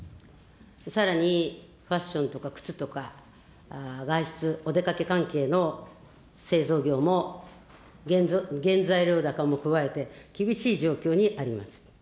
さらにファッションとか靴とか、外出、お出かけ関係の製造業も、原材料高も加えて厳しい状況にあります。